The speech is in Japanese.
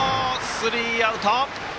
スリーアウト。